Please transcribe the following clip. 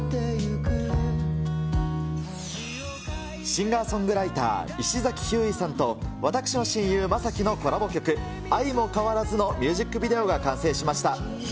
シンガーソングライター、石崎ひゅーいさんと、私の親友、将暉のコラボ曲、あいもかわらずのミュージックビデオが完成しました。